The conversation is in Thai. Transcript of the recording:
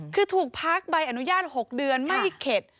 คือถูกพักใบอนุญาต๖เดือนไม่เข็ด